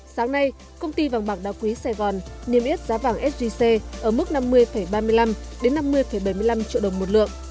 sáng nay công ty vàng bạc đa quý sài gòn niêm yết giá vàng sgc ở mức năm mươi ba mươi năm năm mươi bảy mươi năm triệu đồng một lượng